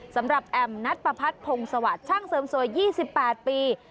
สำหรับแอมนัทปะพัดพงศวรรษช่างเสริมสวย๒๘ปี